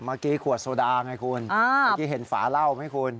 เมื่อกี้ขวดโซดาไงคุณเมื่อกี้เห็นฝาเหล้าไหมคุณ